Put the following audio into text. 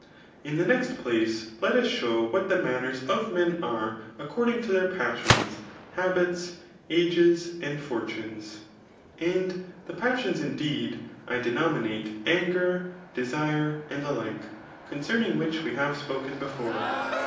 Ik the next place let us show what the manners of men are according to their passions, habits, ages and fortunes^ And the passions, indeed, I denominate anger, desire, and the like, concerning which we have spoken before.